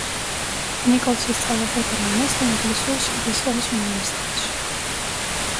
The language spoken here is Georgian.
ნიკოლსი სწავლობდა დრამას და ინგლისურს ბრისტოლის უნივერსიტეტში.